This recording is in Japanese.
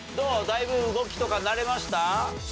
だいぶ動きとか慣れました？